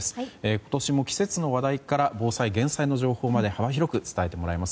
今年も季節の話題から防災・減災の情報まで幅広く伝えてもらいます。